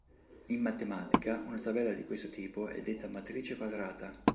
In matematica, una tabella di questo tipo è detta matrice quadrata.